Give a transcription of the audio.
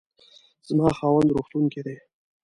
زما خاوند روغتون کې دی